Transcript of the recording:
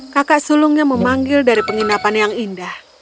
kakak sulungnya memanggil dari penginapan yang indah